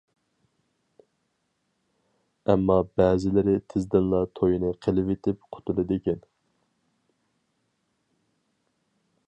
ئەمما بەزىلىرى تېزدىنلا تويىنى قىلىۋېتىپ قۇتۇلىدىكەن.